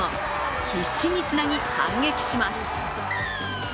必死につなぎ反撃します。